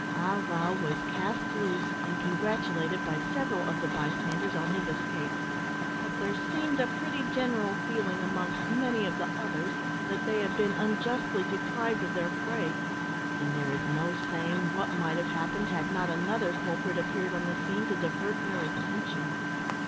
Ah wow was cast loose and congratulated by several of the bystanders on his escape, but there seemed a pretty general feeling amongst many of the others that they had been unjustly deprived of their prey, and there is no saying what might have happened had not another culprit appeared on the scene to divert their attention.